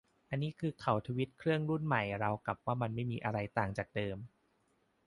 อันนี้คือเขาทรีตเครื่องรุ่นใหม่ราวกับว่ามันไม่มีอะไรต่างจากเดิม